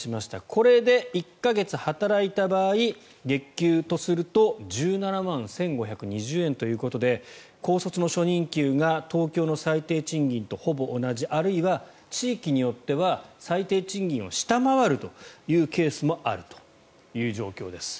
これで１か月働いた場合月給とすると１７万１５２０円ということで高卒の初任給が東京の最低賃金とほぼ同じあるいは地域によっては最低賃金を下回るというケースもあるという状況です。